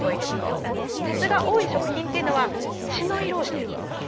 鉄が多い食品というのは血の色をしてるもの。